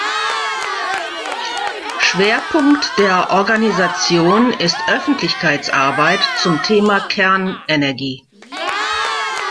Schwerpunkt der Organisation ist Öffentlichkeitsarbeit zum Thema Kernenergie.